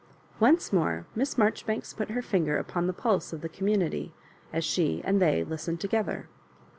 Once more Miss Maijoribanks put her finger upon the pulse of the community as she and they listened together.